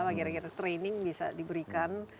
apa kira kira training bisa diberikan